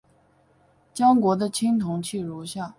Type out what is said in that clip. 江国的青铜器如下。